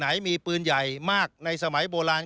ไหนมีปืนใหญ่มากในสมัยโบราณ